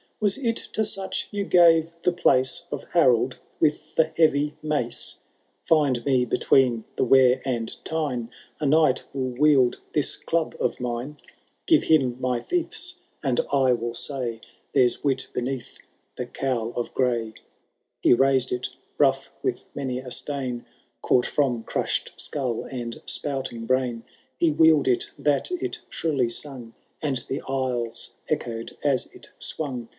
Was it to such you gave the place Of Harold with the heavy mace ?' Find me between the Wear and Tjrne «. i A knight will wield this dub of mine,— *. I*. ., Give him my fiefs, and I will say ^.) There's wit beneath the qowI of gp^y." He raised it, rough with many a stain, Caught from crushed skull and spouting brain ; He wheePd it that it shrilly sung. And the aisles echoed as it swung.